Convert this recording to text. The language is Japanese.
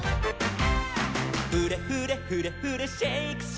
「フレフレフレフレシェイクシェイク」